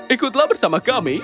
ikutlah bersama kami